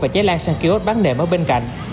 và cháy lan sang kiosk bán nền ở bên cạnh